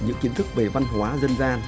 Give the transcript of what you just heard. những kiến thức về văn hóa dân gian